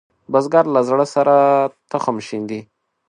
بزګر له زړۀ سره تخم شیندي